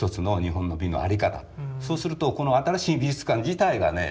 そうするとこの新しい美術館自体がね